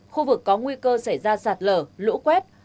khu vực có nguy cơ xảy ra sạt lở lũ quét